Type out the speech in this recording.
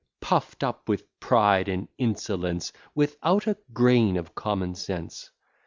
Puff'd up with pride and insolence, Without a grain of common sense.